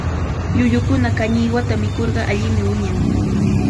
Llullukuna kañiwata mikurqa allimi wiñan.